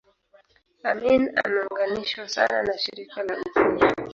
Amin ameunganishwa sana na Shirika la Uhuru